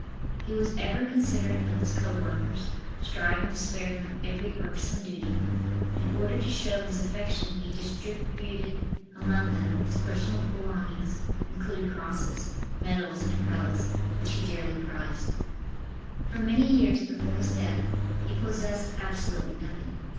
He was ever considerate of his co workers, striving to spare them every irksome duty. In order to show his affection he distributed among them his personal belongings, including crosses, medals and relics, which he dearly prized. For many years before his death he possessed absolutely nothing.